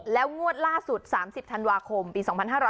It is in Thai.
แล้วงวดล่าสุด๓๐ธันวาคมปี๒๕๕๙